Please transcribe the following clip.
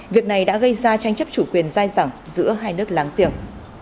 việc này đã gây ra tranh chấp chủ quyền dai dẳng giữa hai nước láng giềng